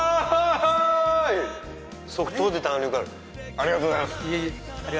ありがとうございます。